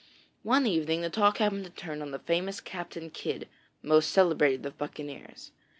One evening the talk happened to turn on the famous Captain Kidd, most celebrated of buccaneers.